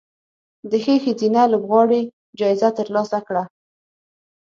د ښې ښځینه لوبغاړې جایزه ترلاسه کړه